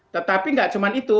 tetapi enggak cuman itu